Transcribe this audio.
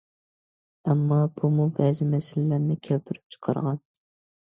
ئەمما، بۇمۇ بەزى مەسىلىلەرنى كەلتۈرۈپ چىقارغان.